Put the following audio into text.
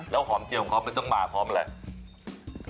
แล้วหอมเจียวเขาไม่ต้องบาพร้อมอะไร